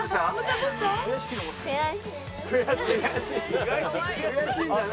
悔しいんだね。